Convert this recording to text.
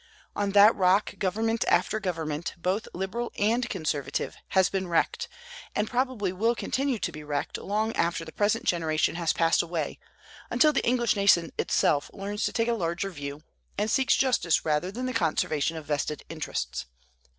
On that rock government after government, both liberal and conservative, has been wrecked, and probably will continue to be wrecked long after the present generation has passed away, until the English nation itself learns to take a larger view, and seeks justice rather than the conservation of vested interests.